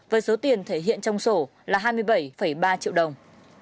với số tiền thể hiện trong sổ là hai mươi bảy ba triệu đồng